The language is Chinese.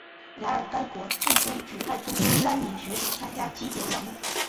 然而该国最终只派出三名选手参加击剑项目。